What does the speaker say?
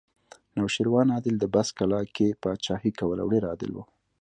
نوشیروان عادل د بست کلا کې پاچاهي کوله او ډېر عادل و